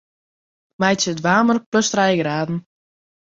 Meitsje it waarmer plus trije graden.